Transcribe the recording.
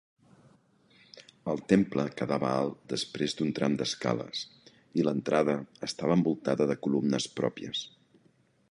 El temple quedava alt després d'un tram d'escales, i l'entrada estava envoltada de columnes pròpies.